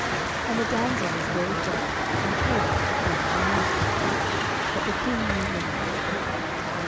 11:001:004 And the damsel was very fair, and cherished the king, and ministered to him: but the king knew her not.